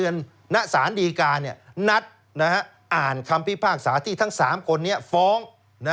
ณสารดีการนัดอ่านคำพิพากษาที่ทั้ง๓คนนี้ฟ้อง